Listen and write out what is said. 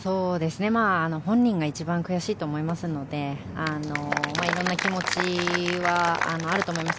本人が一番悔しいと思いますので色んな気持ちはあると思います。